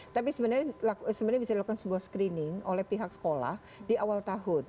tapi sebenarnya bisa dilakukan sebuah screening oleh pihak sekolah di awal tahun